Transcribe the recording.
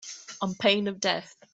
On pain of death.